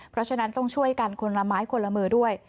เพราะฉะนั้นต้องช่วยกันคนละไม้คนละมือด้วย